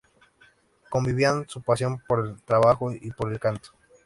Convivían su pasión por el trabajo y por el canto.